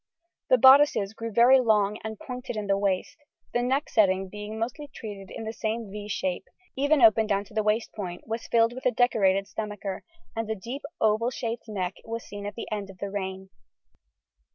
1585 1610 1600 1620 1595 1605 1605 1615 1589 1600] The bodices grew very long and pointed in the waist, the neck setting being mostly treated in the same =V= shape, even open down to the waist point was filled with a decorated stomacher, and a deep oval shaped neck was seen at the end of the reign.